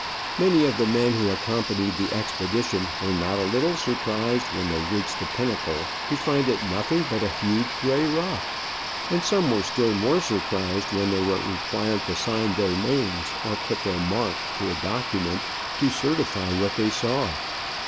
Many of the men who accompanied the expedition were not a little surprised when they reached the pinnacle to find it nothing but a huge Digitized by VjOOQIC OF AN Orchid Hunter. 197 grey rock, and some were still more surprised when they were required to sign their names or put their mark to a document to certify to what they saw.